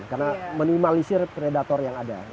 karena menimalisir predator yang ada